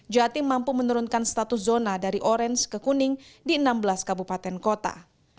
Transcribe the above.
jatim mampu menurunkan status zona dari orange ke kuning di enam belas kabupaten kota